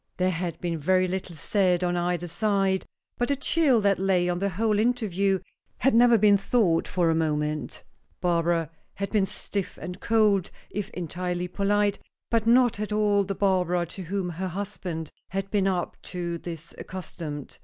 There had been very little said on either side, but the chill that lay on the whole interview had never thawed for a moment. Barbara had been stiff and cold, if entirely polite, but not at all the Barbara to whom her husband had been up to this accustomed.